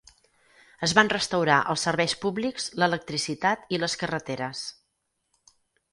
Es van restaurar els serveis públics, l'electricitat i les carreteres.